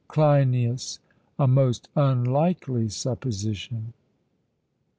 CLEINIAS: A most unlikely supposition.